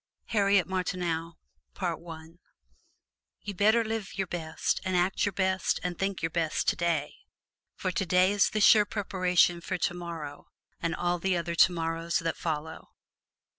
HARRIET MARTINEAU You better live your best and act your best and think your best today; for today is the sure preparation for tomorrow and all the other tomorrows that follow.